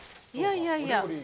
いやいや。